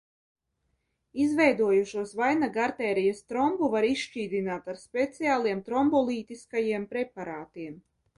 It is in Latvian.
Izveidojušos vainagartērijas trombu var izšķīdināt ar speciāliem trombolītiskajiem preparātiem.